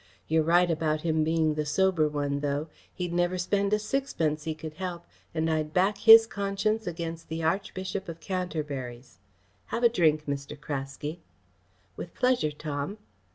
You're right about him being the sober one, though. He'd never spend a sixpence he could help, and I'd back his conscience against the Archbishop of Canterbury's. Have a drink, Mr. Craske." "With pleasure, Tom."